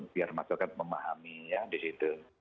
biar masyarakat memahami ya di situ